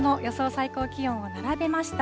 最高気温を並べました。